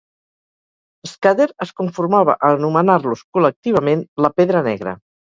Scudder es conformava a anomenar-los col·lectivament la "Pedra Negra".